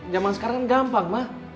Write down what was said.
zaman sekarang gampang mah